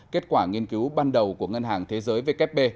kết quả nghiên cứu ban đầu của ngân hàng thế giới vkp